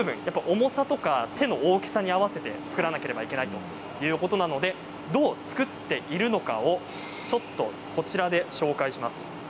重さや手の大きさに合わせて作らなければいけないということなのでどう作っているのか紹介します。